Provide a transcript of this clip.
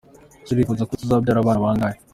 Ese urifuza ko tuzabyara abana bangahe?.